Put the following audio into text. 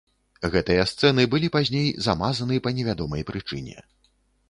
Гэтыя сцэны былі пазней замазаны па невядомай прычыне.